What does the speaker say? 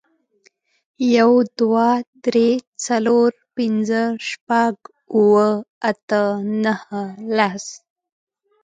یو، دوه، درې، څلور، پنځه، شپږ، اوه، اته، نهه، لس.